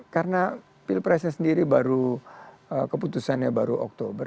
karena pilpresnya sendiri baru keputusannya baru oktober